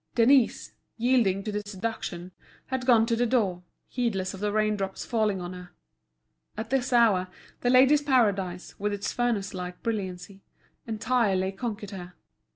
Denise, yielding to the seduction, had gone to the door, heedless of the raindrops falling on her. At this hour, The Ladies' Paradise, with its furnace like brilliancy, entirely conquered her.